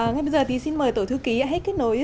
ngay bây giờ thì xin mời tổ thư ký hết kết nối